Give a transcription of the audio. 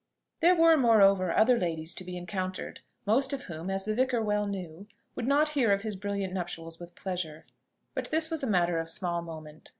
There were moreover other ladies to be encountered, most of whom, as the vicar well knew, would not hear of his brilliant nuptials with pleasure; but this was a matter of small moment.